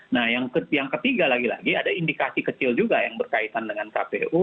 nah yang ketiga lagi lagi ada indikasi kecil juga yang berkaitan dengan kpu